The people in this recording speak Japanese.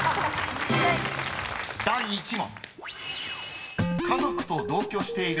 ［第１問］